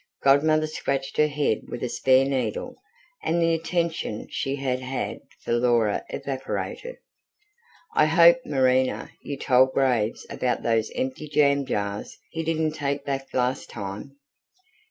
Godmother scratched her head with a spare needle, and the attention she had had for Laura evaporated. "I hope, Marina, you told Graves about those empty jam jars he didn't take back last time?"